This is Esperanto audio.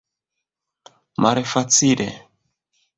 Malfacile.